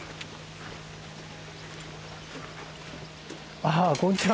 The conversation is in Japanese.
ああこんにちは。